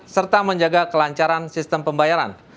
serta menjaga kelancaran sistem pembayaran